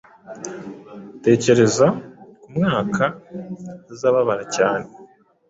Tekereza ku mwukaazababara cyane